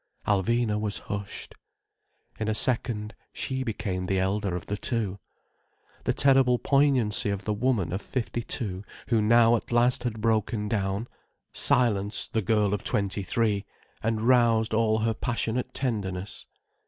Alvina was hushed. In a second, she became the elder of the two. The terrible poignancy of the woman of fifty two, who now at last had broken down, silenced the girl of twenty three, and roused all her passionate tenderness.